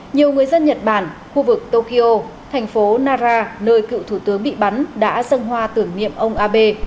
nhiều người dân nhật bản khu vực tokyo thành phố nara nơi cựu thủ tướng bị bắn đã dâng hoa tưởng niệm ông abe